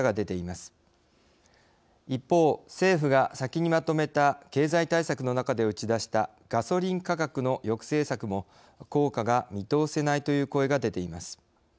一方政府が先にまとめた経済対策の中で打ち出したガソリン価格の抑制策も効果が見通せないという声が出ています。